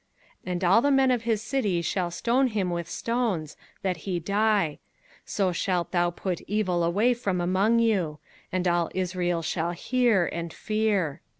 05:021:021 And all the men of his city shall stone him with stones, that he die: so shalt thou put evil away from among you; and all Israel shall hear, and fear.